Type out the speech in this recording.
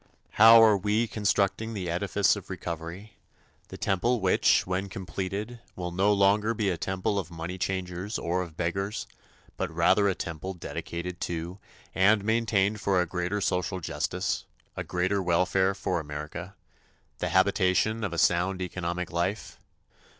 How are we constructing the edifice of recovery the temple which, when completed, will no longer be a temple of money changers or of beggars, but rather a temple dedicated to and maintained for a greater social justice, a greater welfare for America the habitation of a sound economic life?